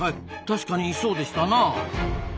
確かにそうでしたな。